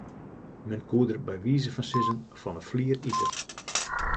Men koe der by wize fan sizzen fan 'e flier ite.